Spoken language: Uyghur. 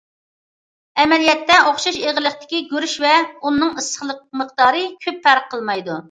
ئەمەلىيەتتە، ئوخشاش ئېغىرلىقتىكى گۈرۈچ ۋە ئۇننىڭ ئىسسىقلىق مىقدارى كۆپ پەرق قىلمايدۇ.